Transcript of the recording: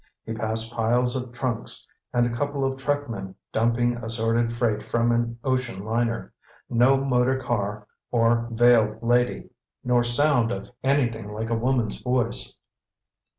He passed piles of trunks, and a couple of truckmen dumping assorted freight from an ocean liner. No motor car or veiled lady, nor sound of anything like a woman's voice.